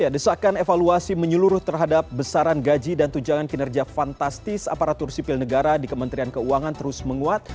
desakan evaluasi menyeluruh terhadap besaran gaji dan tunjangan kinerja fantastis aparatur sipil negara di kementerian keuangan terus menguat